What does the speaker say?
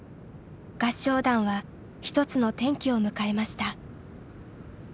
合唱団は一つの転機を迎えました。